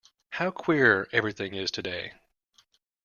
How queer everything is to-day!